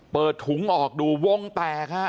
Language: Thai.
เปิดถุงออกดูวงแตกฮะ